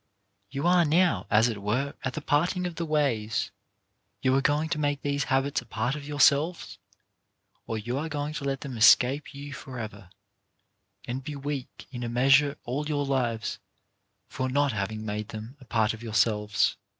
You are now, as it were, at the parting 173 ? i74 CHARACTER BUILDING of the ways — you are going to make these habits a part of yourselves, or you are going to let them escape you forever, and be weak in a measure all your lives for not having made them a part of yourselves.